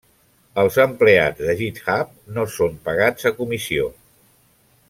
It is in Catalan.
Els empleats de GitHub no són pagats a comissió.